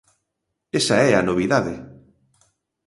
Esa é a novidade.